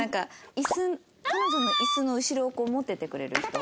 イス彼女のイスの後ろを持っててくれる人。